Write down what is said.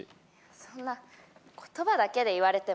そんな言葉だけで言われても。